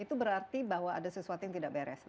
itu berarti bahwa ada sesuatu yang tidak beres